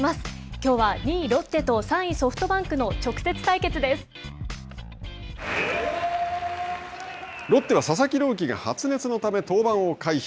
きょうは２位ロッテと３位ソフトバンクのロッテは佐々木朗希が発熱のため、登板を回避。